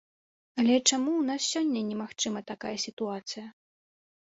Але чаму ў нас сёння немагчыма такая сітуацыя?